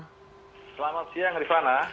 selamat siang rifana